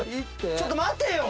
ちょっと待てよ！